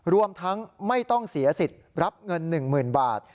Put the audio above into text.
รวมทั้งไม่ต้องเสียสิทธิ์รับเงิน๑๐๐๐บาท